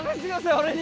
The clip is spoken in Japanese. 俺に。